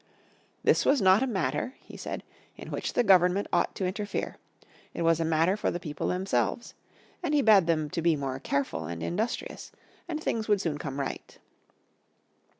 "This was not a matter," he said, "in which the Government ought to interfere. It was a matter for the people themselves," and he bade them to be more careful and industrious and things would soon come right.